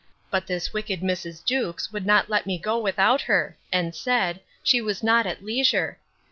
But this wicked Mrs. Jewkes would not let me go without her; and said, she was not at leisure.